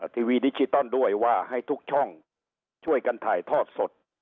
ทีวีดิจิตอลด้วยว่าให้ทุกช่องช่วยกันถ่ายทอดสด